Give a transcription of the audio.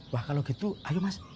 wah kalau gitu ayo mas